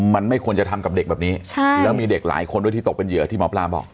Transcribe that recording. มันไม่ควรจะทำกับเด็กแบบนี้ใช่แล้วมีเด็กหลายคนด้วยที่ตกเป็นเหยื่อที่หมอปลาบอก